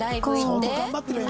相当頑張ってるよ